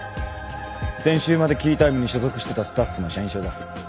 先週までＫＥＹＴＩＭＥに所属してたスタッフの社員証だ。